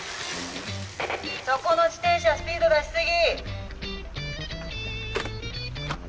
そこの自転車スピード出し過ぎ！